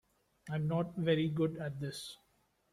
I'm not very good at this.